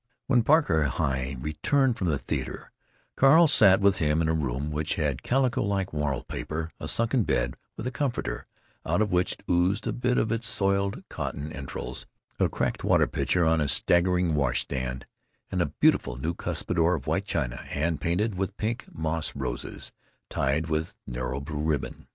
When Parker Heye returned from the theater Carl sat with him in a room which had calico like wall paper, a sunken bed with a comforter out of which oozed a bit of its soiled cotton entrails, a cracked water pitcher on a staggering wash stand, and a beautiful new cuspidor of white china hand painted with pink moss roses tied with narrow blue ribbon.